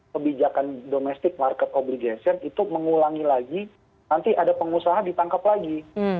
kebijakan domestic market obligation itu mengulangi lagi nanti ada pengusaha ditangkap lagi